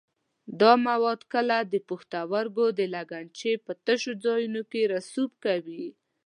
دا مواد کله د پښتورګو د لګنچې په تشو ځایونو کې رسوب کوي.